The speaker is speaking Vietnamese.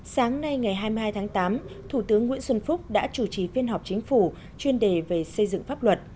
sáng nay ngày hai mươi hai tháng tám thủ tướng nguyễn xuân phúc đã chủ trì phiên họp chính phủ chuyên đề về xây dựng pháp luật